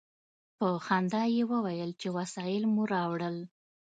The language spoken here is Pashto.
په خندا یې وویل چې وسایل مو راوړل.